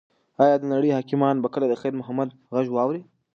ایا د نړۍ حاکمان به کله د خیر محمد غږ واوري؟